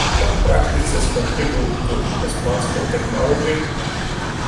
What practices contribute to responsible technology?